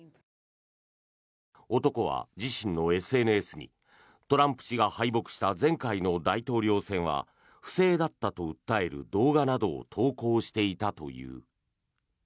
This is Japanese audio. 男は自身のＳＮＳにトランプ氏が敗北した前回の大統領選は不正だったと訴える動画などを投稿していたという。